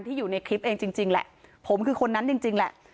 อยู่ในคลิปเองจริงแหละผมคือคนนั้นจริงแหละ